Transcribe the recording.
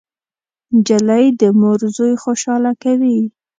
نجلۍ د مور زوی خوشحاله کوي.